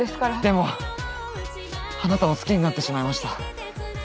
でもあなたを好きになってしまいました。